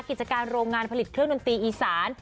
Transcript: กิจการโรงงานผลิตเครื่องดนตรีอีสาน